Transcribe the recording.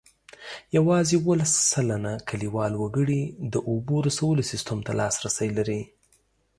یوازې اوولس سلنه کلیوال وګړي د اوبو رسولو سیسټم ته لاسرسی لري.